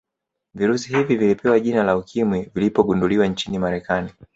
Virusi hivi vilipewa jina la ukimwi vilipogunduliwa nchini marekani